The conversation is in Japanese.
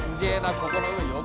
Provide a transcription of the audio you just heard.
ここの上よく。